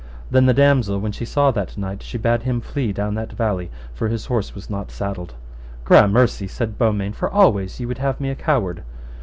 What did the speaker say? Then the damosel, when she saw that knight, she bade him flee down that valley, for his horse was not saddled. Gramercy, said Beaumains, for always ye would have me a coward.